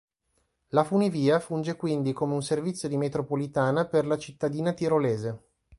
La funivia funge quindi come un servizio di metropolitana per la cittadina tirolese,